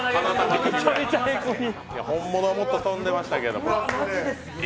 本物はもっと飛んでましたけれどもね。